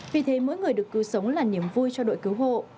vì thế mỗi người được cứu sống là niềm vui cho đội cứu hộ